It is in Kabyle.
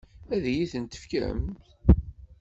Ad iyi-tent-tefkem?